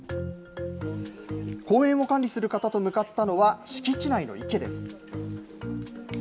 公園を管理する方と向かったのは敷地内の池です。